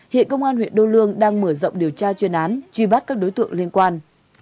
hiện công an huyện đô lương đang mở rộng điều tra chuyên án truy bắt các đối tượng liên quan